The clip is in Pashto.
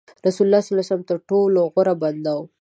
رسول الله د الله تر ټولو غوره بنده و.